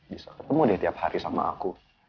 bisa ketemu deh tiap hari sama aku